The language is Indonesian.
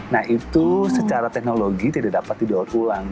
nah itu secara teknologi tidak dapat didaur ulang